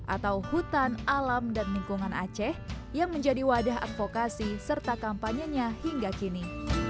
atau hutan alam dan lingkungan aceh yang menjadi wadah advokasi serta kampanyenya hingga kini